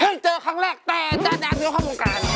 เพิ่งเจอครั้งแรกแต่แจ่งแนวเข้าหรอกกัน